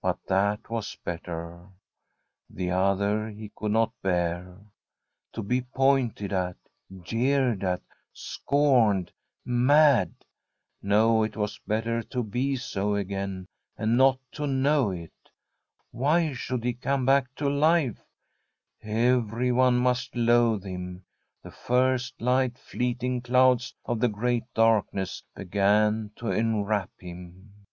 But that was better. The other he could not bear. To be pointed at, jeered at, scorned, mad ! No, it was better to be so again and not to know it. Why should he come back to life? Everyone must loathe him. The first light, fleeting clouds of the great darkness began to enwrap him.